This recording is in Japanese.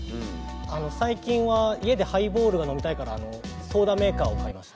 最近は家でハイボールが飲みたいからソーダメーカーを買いました。